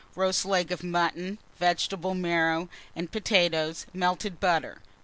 Roast leg of mutton, vegetable marrow, and potatoes, melted butter. 2.